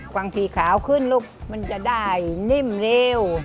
บางทีขาวขึ้นลูกมันจะได้นิ่มเร็ว